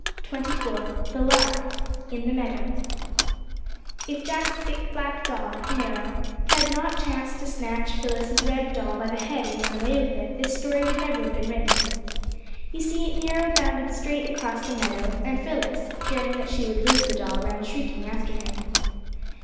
THE LARK [Illustration: Larks] IN THE MEADOW If Jack's big black dog, Nero, had not chanced to snatch Phyllis's rag doll by the head and run away with it this story would have never been written. You see, Nero bounded straight across the meadow and Phyllis, fearing that she would lose the doll, ran shrieking after him.